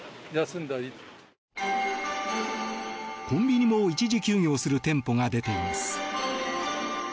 コンビニも一時休業する店舗が出ています。